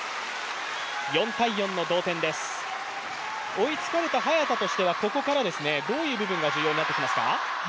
追いつかれた早田としては、ここからどういう部分が重要になってきますか？